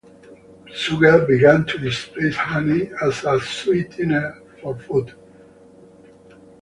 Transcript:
Sugar began to displace honey as a sweetener for food.